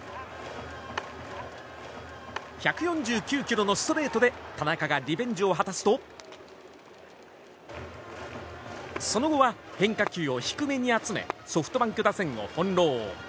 １４９キロのストレートで田中がリベンジを果たすとその後は変化球を低めに集めソフトバンク打線を翻弄。